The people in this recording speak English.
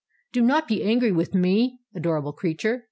"Be not angry with me, adorable creature!"